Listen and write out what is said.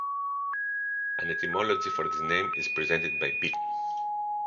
An etymology for this name is presented by 'B.